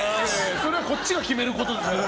それはこっちが決めることですから。